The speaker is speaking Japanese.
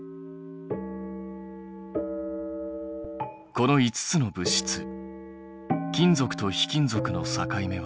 この５つの物質金属と非金属の境目はどこ？